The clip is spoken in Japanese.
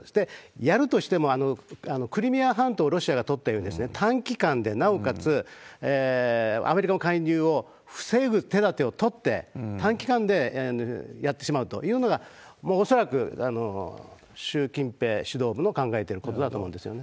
やるとしても、クリミア半島をロシアが取ったように、短期間で、なおかつアメリカの介入を防ぐ手立てを取って、短期間でやってしまうというのが、もう恐らく習近平指導部の考えてることだと思うんですよね。